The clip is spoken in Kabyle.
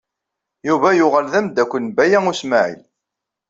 Yuba yuɣal d amdakel n Baya U Smaɛil.